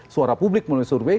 suara publik melalui survei